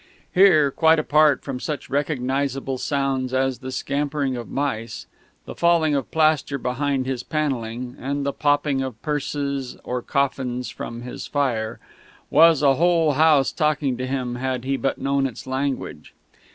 Here, quite apart from such recognisable sounds as the scampering of mice, the falling of plaster behind his panelling, and the popping of purses or coffins from his fire, was a whole house talking to him had he but known its language.